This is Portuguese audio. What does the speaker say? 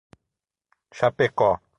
Chapecó